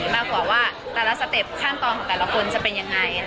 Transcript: มากกว่าว่าแต่ละสเต็ปขั้นตอนของแต่ละคนจะเป็นยังไง